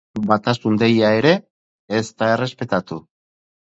Batasun deia ere ez da errespetatu.